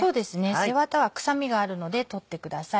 背ワタは臭みがあるので取ってください。